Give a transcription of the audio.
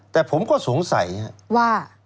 แต่ผมก็สงสัยว่า